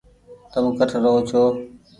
تم ڪٺ رهو ڇو ۔